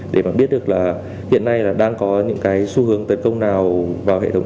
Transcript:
để mà biết được là hiện nay là đang có những cái xu hướng tấn công nào vào hệ thống